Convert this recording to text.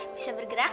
ntar saya kerjain tadi